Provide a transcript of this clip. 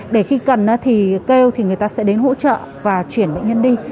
để khi cần thì kêu thì người ta sẽ đến hỗ trợ và chuyển bệnh nhân đi